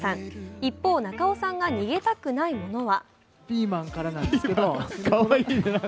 一方、中尾さんが逃げたくないものは？